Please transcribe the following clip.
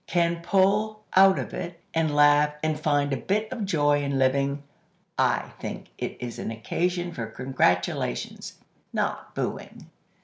can pull out of it, and laugh, and find a bit of joy in living, I think it is an occasion for congratulations, not booing."